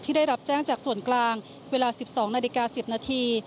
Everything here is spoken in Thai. ได้รับแจ้งจากส่วนกลางเวลา๑๒นาฬิกา๑๐นาที